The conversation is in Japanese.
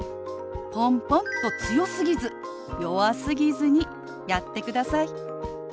ポンポンと強すぎず弱すぎずにやってください。